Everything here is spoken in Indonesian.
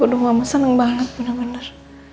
udah mama seneng banget bener bener